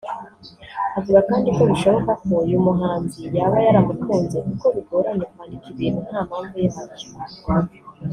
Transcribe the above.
avuga kandi ko bishoboka ko uyu muhanzi yaba yaramukunze kuko bigoranye kwandika ibintu nta mpamvu yabyo